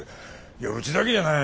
いやうちだけじゃない。